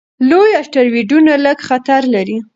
لوی اسټروېډونه لږ خطر لري.